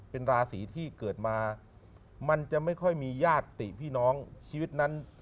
เป็นราศีที่เกิดมามันจะไม่ค่อยมีญาติติพี่น้องชีวิตนั้น